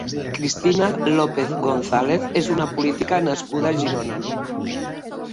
Cristina López González és una política nascuda a Girona.